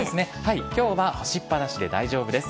今日は干しっ放しで大丈夫です。